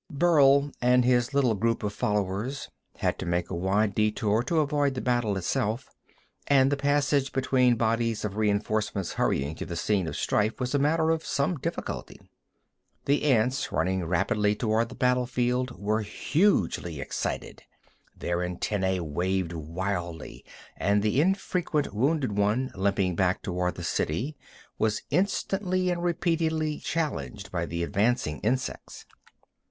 Burl and his little group of followers had to make a wide detour to avoid the battle itself, and the passage between bodies of reinforcements hurrying to the scene of strife was a matter of some difficulty. The ants running rapidly toward the battle field were hugely excited. Their antennæ waved wildly, and the infrequent wounded one, limping back toward the city, was instantly and repeatedly challenged by the advancing insects.